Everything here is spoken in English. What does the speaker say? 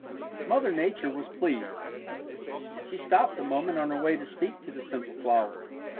Mother Nature was pleased. She stopped a moment on her way to speak to the simple flower.